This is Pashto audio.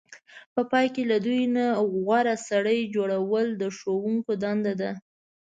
په پای کې له دوی نه غوره سړی جوړول د ښوونکو دنده ده.